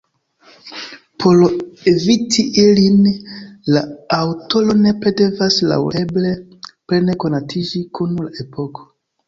Por eviti ilin, la aŭtoro nepre devas laŭeble plene konatiĝi kun la epoko.